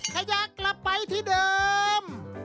ขยับกลับไปที่เดิม